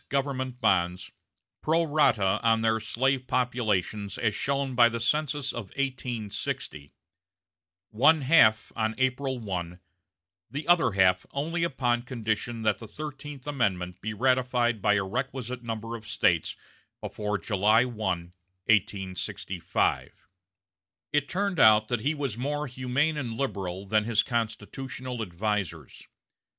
government bonds, pro rata on their slave populations as shown by the census of 1860 one half on April 1, the other half only upon condition that the Thirteenth Amendment be ratified by a requisite number of States before July 1, 1865. It turned out that he was more humane and liberal than his constitutional advisers.